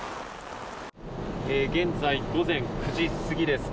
現在、午前９時過ぎです。